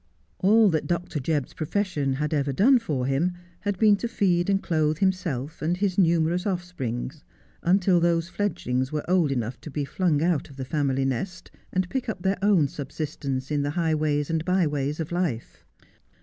All that Dr. Jebb's profession had ever done for him had been to feed and clothe himself and his numerous offspring, until those fledgelings were old enough to be flung out of the family nest, and pick up their own subsistence in the highways and byways of life.